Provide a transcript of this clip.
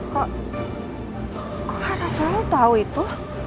kok kok kak rafael tau itu